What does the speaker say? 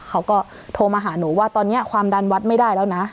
เขาก็โทรมาหาหนูว่าตอนนี้ความดันวัดไม่ได้แล้วนะ